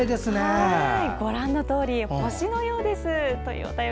ご覧のとおり星のようです！